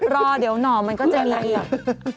รอเดี๋ยวน่อมันก็จะมีอีก